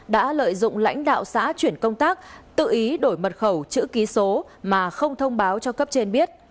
đã lợi dụng lãnh đạo xã chuyển công tác tự ý đổi mật khẩu chữ ký số mà không thông báo cho cấp trên biết